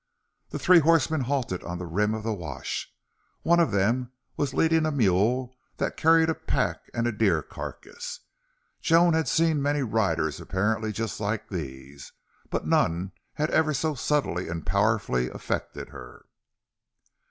The three horsemen halted on the rim of the wash. One of them was leading a mule that carried a pack and a deer carcass. Joan had seen many riders apparently just like these, but none had ever so subtly and powerfully affected her.